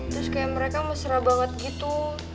terus kayak mereka mesra banget gitu